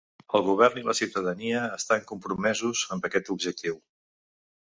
El govern i la ciutadania estan compromesos amb aquest objectiu.